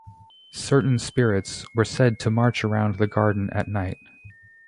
Certain spirits were said to march around the garden at night.